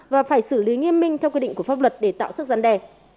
và phải xử lý nghiêm minh theo quyết định của pháp luật để tạo sức giăn đề